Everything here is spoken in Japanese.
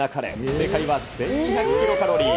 正解は１２００キロカロリー。